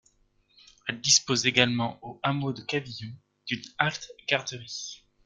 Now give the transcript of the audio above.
Elle dispose également au hameau de Cavillon d'une halte-garderie.